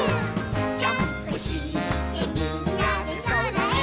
「ジャンプしてみんなでそらへ」